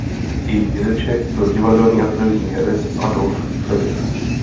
Její dědeček byl divadelní a televizní herec Adolf Filip.